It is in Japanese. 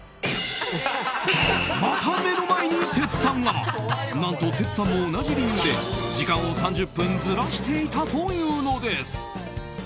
また目の前にテツさんが。何とテツさんも同じ理由で時間を３０分ずらしていたというのです。